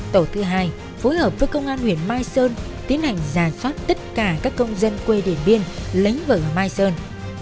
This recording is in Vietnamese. tổ thứ hai phối hợp với công an huyện mai sơn tiến hành giả soát tất cả các công dân quê điển biên lấy vợ mai sơn